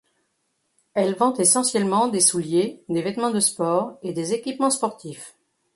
Elle vend essentiellement des souliers, des vêtements de sport et des équipements sportifs.